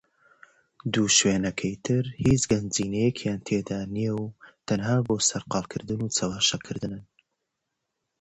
The other two locations contain no treasure and are red herrings.